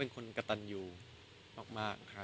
คนกระตันอยู่มาก